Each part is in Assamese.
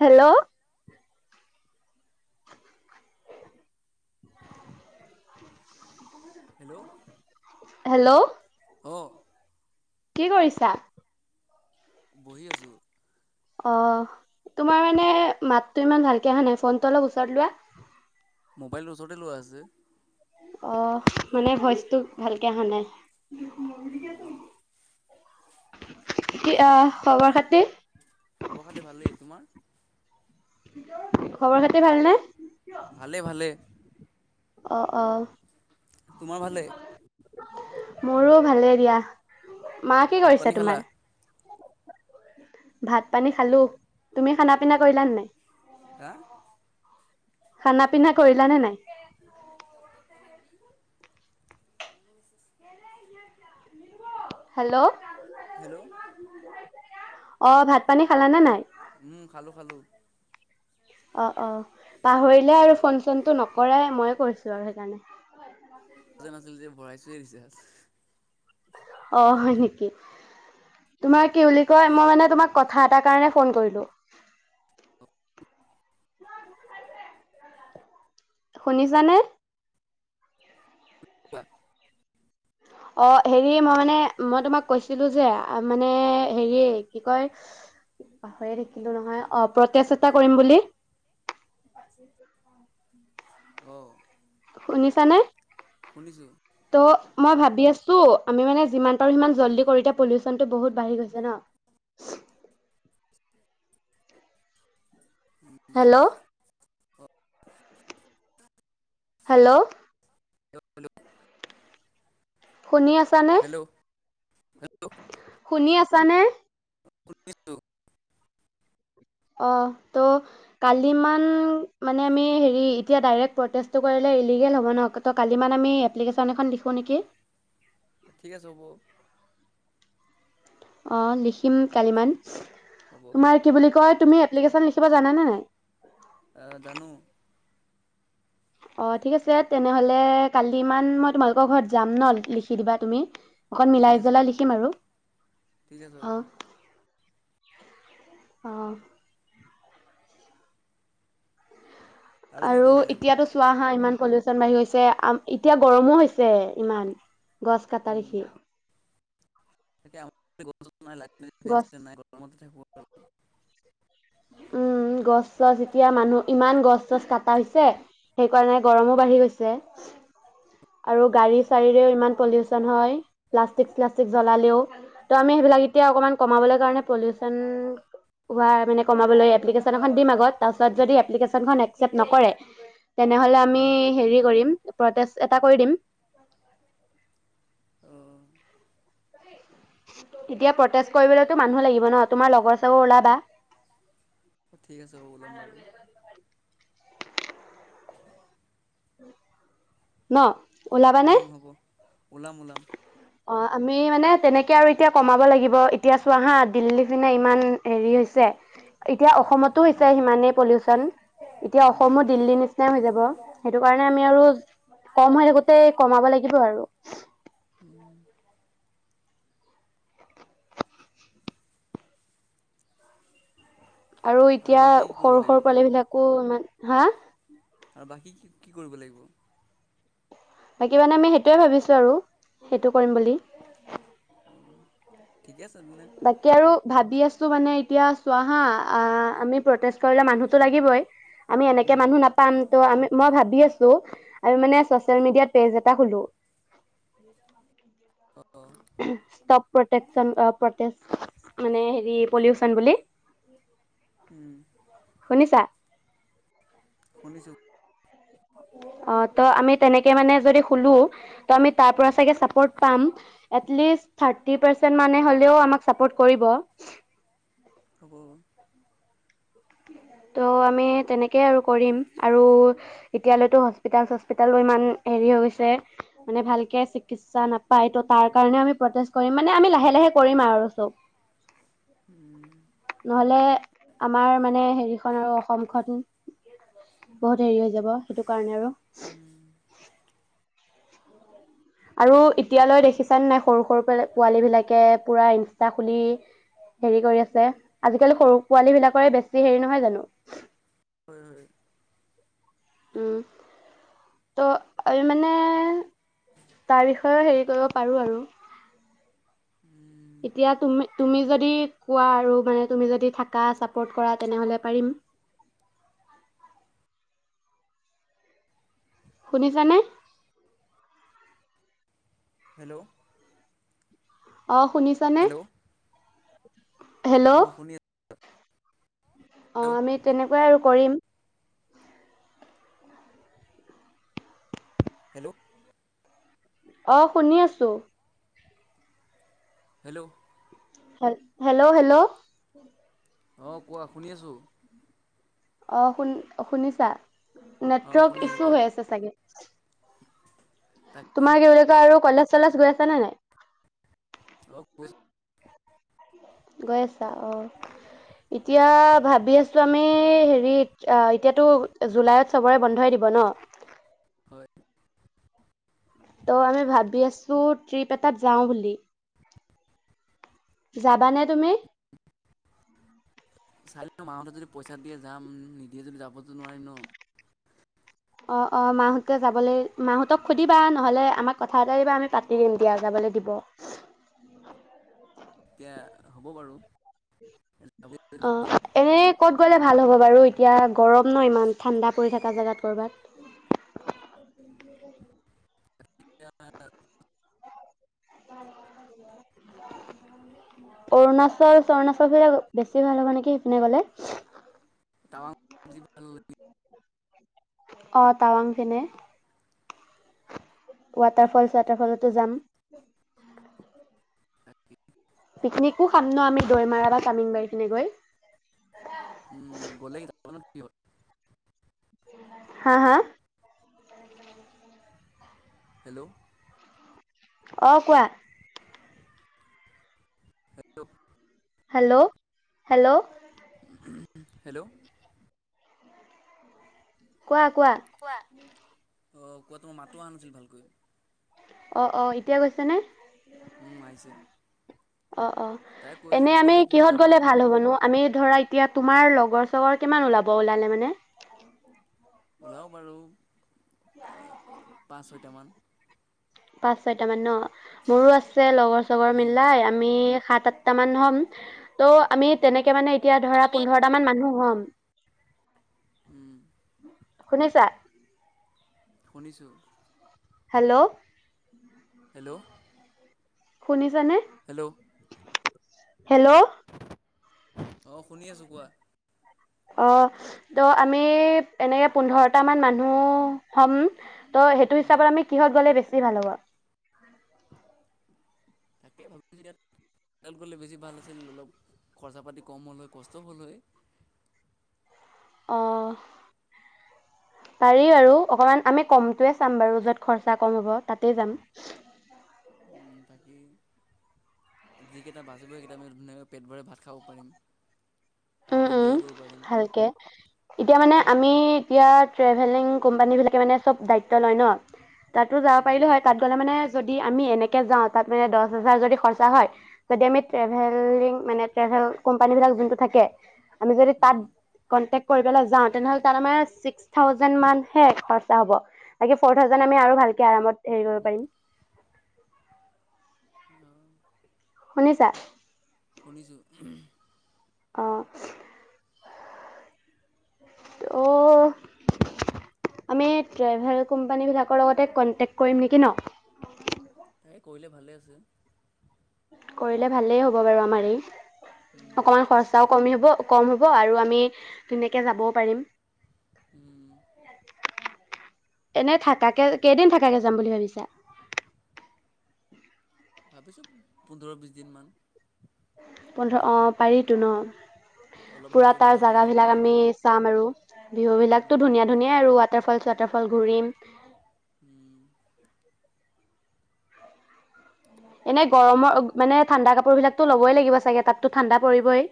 হেল্ল' হেল্ল' হেল্ল' অ। কি কৰিছা? বহি আছো। অ' তোমাৰ মানে মাতটো ইমান ভালকে অহা নাই ফনটো অলপ ওচৰত লোৱা। মোবাইলটো ওচৰতে লোৱা আছে। অহ! মানে ভইচটো ভালকে অহা নাই। অঁ কি আহ খবৰ খাতিৰ। খবৰ খাতি ভালেই। তোমাৰ? খবৰ খাতি ভালনে? ভালে ভালে। অ' অ। তোমাৰ ভালে? মোৰো ভালেই দিয়া। মা অঁ কি ভাত কৰিছে পানী খালা তোমাৰ? ভাত পানী খালো। তুমি খানা পিনা কৰিলা নাই? হা। খানা পিনা কৰিলানে নাই? হেল্ল'। হেল্ল'। অ ভাত পানী খালানে নাই? উম খালোঁ খালোঁ। অ' অ পাহৰিলে আৰু ফোন চোনটো নকৰাই মই কৈছো আৰু সেইকাৰণে। [inaudible] যে ভৰাইছো। [inaudible] অ হয় নেকি তোমাৰ। কি বুলি কয় মই মানে তোমাক। কথা এটা কাৰণে ফোন কৰিলো। শুনিছানে? [inaudible] অ হেৰি মই মানে মই তোমাক কৈছিলো যে, আ মানে হেৰিয়েই কি কয় পাহৰি থাকিলো নহয় অ প্ৰতেষ্ট এটা কৰিম বুলি। [inaudible] শুনিছানে? শুনিছো। ত মই ভাবি আছো আমি মানে যিমান পাৰো সিমান জল্দি কৰো [unintelligible] পলিউচনতটো বহুত বাঢ়ি গৈছে ন। হেল্ল' হেল্ল' [inaudible] শুনি আছা নে? হেল্ল' হেল্ল' শুনি আছা নে? উছ [inaudible] অ ত' কালিমান মানে আমি হেৰি এতিয়া ডাইৰেক্ট প্ৰটেষ্টটো কৰিলে ইলিগেল হ'ব নহ। ত' কালিমান আমি এপ্লিকেশ্যন এখন লিখোঁ নেকি? ঠিক আছে হ'ব। অ লিখিম কালিমান। হ'ব তোমাৰ কি বুলি কয় তুমি এপ্লিকেশ্যন লিখিব জানা নে নাই? অ জানো। অ ঠিক আছে তেনেহলে কালি ইমান মই তোমালোকৰ ঘৰত যাম ন লিখি দিবা তুমি। অকণ ঠিক মিলাই আছে হ'ব জলাই লিখিম আৰু ঠিক আছে হ'ব অ। আহ। কি আৰু কৰিব লাগিব এতিয়াতো চোৱা হা ইমান পলিউচন বাঢ়ি গৈছে, আম এতিয়া গৰমো হৈছে ইমান, গছ কটা দেখি। এয়া [inaudible] গছ [unintelligible] উম, গছ চছ [unintelligible] এতিয়া মানুহ ইমান গছ চছ কাটা হৈছে। সেইকাৰণে গৰমো বাঢ়ি গৈছে। আৰু গাড়ী চৰিৰেও ইমান পলিউচন হয়। প্লাষ্টিক- চ্লাষ্টিক জ্বলালেও ত' আমি সেইবিলাক তেতিয়া অকণমান কমাবলৈ কাৰণে পলিউচন হোৱা মানে কমাবলৈ এপ্লিকেশ্যন এখন দিম আগত তাৰপিছত যদি এপ্লিকেচ [unintelligible] একচেপ্ট নকৰে তেনেহলে আমি হেৰি কৰিম, প্ৰটেষ্ট এটা কৰি দিম। অ। এতিয়া প্ৰটেষ্ট কৰিবলেতো মানুহ লাগিব ন তোমাৰ লগৰ চবৰ ওলাবা। ঠিক আছে ব ওলাম বাৰু। ন? অ ওলাবানে হ'ব, ওলাম ওলাম। অ আমি মানে তেনেকে আৰু এতিয়া কমাব লাগিব। এতিয়া চোৱা হা দিল্লী পিনে ইমান হেৰি হৈছে, এতিয়া অসমতো হৈছে সিমানেই পলিউচন। এতিয়া উম অসমো দিল্লীৰ নিচিনাই হৈ যাব। উ [unintelligible] সেইটো কাৰণে আমি আৰু কম হৈ থাকোতেই কমাব লাগিব আৰু। আৰু এতিয়া বাকী কি কৰিব সৰু লাগিব সৰু পোৱালি বিলাকো ইমান হা? আৰু বাকী কি কি কৰিব লাগিব? বাকী মানে আমি সেইটোয়ে ভাবিছো আৰু, সেইটো কৰিম বুলি। ঠিকে আছে তেনে। বাকী আৰু ভাবি আছো মানে এতিয়া চোৱা হা আহ আমি প্ৰটেষ্ট কৰিলে মানুহতো লাগিবই। আমি এনেকে উম মানুহ নাপাম তো আমি। মই ভাবি আছো আৰু মানে চচিয়েল মিডিয়াত পেজ এটা খুলোঁ। অ ষ্টপ প্ৰটেকচন প্ৰটেক মানে হেৰি পলিউচন বুলি উম। শুনিছা শুনিছো অ ত' আমি তেনেকে মানে যদি খোলো ত' আমি তাৰ পৰা চাগে চাপৰ্ট পাম এটলিষ্ট থাৰ্টি পাৰ্চেন্ট মানে হ'লেও আমাক চাপৰ্ট কৰিব। হব। ত' আমি তেনেকেই আৰু কৰিম আৰু এতিয়ালৈতো হস্পিতাল চস্পিতালো ইমান হেৰি হৈ গৈছে মানে ভালকে চিকিৎসা নাপায় ত' তাৰ কাৰণে আমি প্ৰটেষ্ট কৰিম মানে আমি লাহে লাহে কৰিম আৰু চব উম নহলে আমাৰ মানে হেৰিখন আৰু অসমখন বহুত হেৰি হৈ যাব সেইটো কাৰণে আৰু হম। আৰু এতিয়ালৈ দেখিছান নাই সৰু সৰু পোৱালী বিলাকে পুৰা ইনষ্টা খুলি হেৰি কৰি আছে আজিকালি সৰু পোৱালী বিলাকৰে বেছি হেৰি নহয় জানো হয় হয় উ ত' আ মানে তাৰ বিষয়েও হেৰি কৰিব পাৰো আৰু উম এতিয়া তুমি তুমি যদি কোৱা আৰু মানে তুমি যদি থাকা চাপ তেনেহলে পাৰিম। শুনিছানে হেল্ল' অ শুনিছা নে? হেল্ল' হেল্ল' অঁ শুনি আছোঁ। অ হেল্ল' আমি তেনেকুৱাই আৰু। কৰিম। হেল্ল' অ শুনি আছো। হেল্ল'। হেল্ল' হেল্ল' অ কোৱা শুনি আছো। অ শুন শুনিছা। অঁ শুনি নেটৱৰ্ক আছোঁ ইছু কোৱা হৈ আছে চাগে তাকে তোমাক কি বুলি কই আৰু কলেজ চলাচ গৈ আছা নে নাই। অঁ গৈ আছোঁ। গৈ আছা অ এতিয়া ভাবি আছো আমি হেৰি এতিয়াতো জুলাইত চবৰে বন্ধই দিব ন। হয় ত' আমি ভাবি আছো ট্ৰিপ এটাত যাওঁ বুলি। যাবানে তুমি? চাই লও মাহতে যদি পইচা দিয়ে যাম নিদিয়ে যদি যাবতো নোৱাৰিম ন। অ অ মাহঁতকে যাবলৈ মাহঁতক সুধিবা নহলে আমাক কথা এটাাই দিবা আমি পাতি দিম দিয়া যাবলৈ দিব। এতিয়া হ'ব বাৰু অ এনে কত গলে ভাল হ'ব বাৰু এতিয়া গৰম ন ইমান। ঠাণ্ডা পৰি থকা জেগাত ক'ৰবাত। [unintelligible] অৰুণাচল তৰুণাচল ফালে বেছি ভাল হ'ব নেকি? সিপিনে গ'লে। টাৱাং যি [unintelligible] অ' টাৱাং ফিনে। ৱাটাৰফল ছোৱাটাৰফলতো যাম। পিকনিকো খাম ন আমি দৈমাৰা বা তামিং বাৰি পিনে গৈ। উম গলে [unintelligible] হা হা হেল্ল'। অ কোৱা। Hello hello hello. হেল্ল'। কোৱা। কোৱা। অ কোৱা তোমাৰ মাতটো অহা নাছিল ভালকৈ। অ অ এতিয়া গৈছেনে? উম আহিছে। অ অ তাই কৈ এনে আছিলোঁ আমি গ'লে কিহত যাবা? গ'লে ভাল হ'বনো আমি ধৰা এতিয়া তোমাৰ লগৰ চগৰ কিমান ওলাব ওলালে মানে? ওলাও বাৰু পাঁচ, ছয় তা মান। পাঁচ ছয়ট মান ন মোৰো আ ছে লগৰ চগৰ উম। মিলাই আমি সাত আঠটা মান হ'ম, ত' আমি তেনেকে মানে এতিয়া ধৰা আমি পোন্ধৰটা মানুহ হ'ম। উম, [inaudible] [inaudible] শুনিছা? শুনিছোঁ। হেল্ল' হেল্ল' শুনিছা নে? হেল্ল' হেল্ল' অ', শুনি আছোঁ কোৱা। অ', ত' আমি এনেকে পোন্ধৰটা মান মানুহ হম। ত' সেইটো উম, হিচাপত আমি কিহত গ'লে বেছ [unintelligible] ভাল হ'ব। তাকেই ভাবিছোঁ, ইয়াত গ'লে বেছি ভাল আছিল অলপ, খৰচা পাতি কম হ'ল হয়, কষ্ট হ'ল হয়। অঁ পাৰি আৰু অকনমান আমি কমটোৱে চাম বাৰু য'ত খৰচা কম হ'ব তাতে যাম। বাকী যিকেইটা বাজিব সকেইটা আমি ধুনীয়াকৈ পেট ভৰে ভাত খাব পাৰিম উম অলপ উম ইনজয়ো কৰিব পাৰিম। ভালকে এতিয়া মানে আমি এতিয়া ট্ৰেভেলিং কোম্পানী বিলাকে মানে চব দায়িত্ব লয় ন তাতো যাব পাৰিলো উম, হয় তাত গ'লে মানে যদি আমি এনেকে যাওঁ তাত মানে দহ হাজাৰ যদি খৰচা হয় যদি আমি ট্ৰেভেলিং মানে ট্ৰেভেল কোম্পানী বিলাক যোনটো থাকে উ [inaudible] আমি যদি তাত উম। কনটেক্ কৰিবলৈ যাঁও তেনেহলে তাত আমাৰ, চিক্স থাউজেণ্ড মান হে হ'ব, খৰচা হয় বাকি ফৰ থাউজেণ্ড আৰু ভাল কে। হেৰি কৰিব পাৰিম অঁ [inaudible] শুনিছা শুনিছো অঁ ত' আমি ট্ৰেভেল কোম্পানী বিলাকৰ লগতে কনটেক্ট কৰিম নেকি ন তাই কৰিলে ভালে আছে কৰিলে ভালেই হ'ব বাৰু আমাৰ এই উম অকমান খৰচাঁও কমিব কম হ'ব আৰু আমি, তেনেকৈ যাব পাৰিম উম এনে থাকাকে কেইদিন থাকাকে যাম বুলি ভাবিছা ভাবিছো পোন্ধৰ বিশ দিন মান পোন্ধৰ অঁ পাৰি জুনত অলপ পুৰা ভালকৈ ঘূৰা তাৰ ফুৰা জাগা হ'ব বিলাক পাৰিম আমি চাম আৰু বিহু বিলাকতো উম ধুনীয়া ধুনীয়া আৰু ৱাটাৰ ফল ৱাটাৰ ফল ঘূৰিম। উম। এনেই গৰমৰ মানে ঠাণ্ডা কাপোৰ বিলাকতো ল'বই লাগিব চাগে, তাততো ঠাণ্ডা পৰিবই।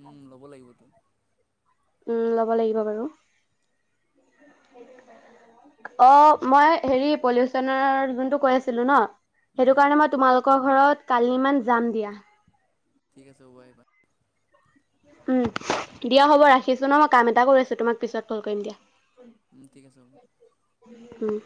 উম ল'ব লাগিবতো। উম লব লাগিব বাৰু অঁ মই হেৰি পলিউচনৰ যোনটো কৈ আছিলো ন সেইটো উম কাৰণে মই তোমালোকৰ ঘৰত কালিমান যাম দিয়া ঠিক আছে আকৌ আহিবা। উম দিয়া হ'ব ৰাখিছো ন মই কাম এটা কৰি আছো তোমাক পিছত কল কৰিম দিয়া ঠিক আছে হ'ব উম